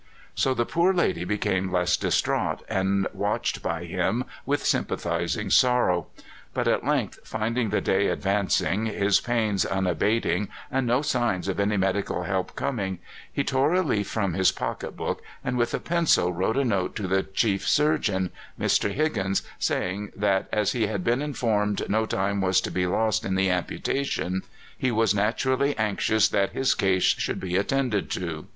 '" So the poor lady became less distraught, and watched by him with sympathizing sorrow. But at length, finding the day advancing, his pains unabating, and no signs of any medical help coming, he tore a leaf from his pocket book, and with a pencil wrote a note to the chief surgeon, Mr. Higgins, saying that, as he had been informed no time was to be lost in the amputation, he was naturally anxious that his case should be attended to.